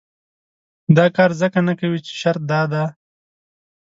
دا کار ځکه نه کوي چې شرط دا دی.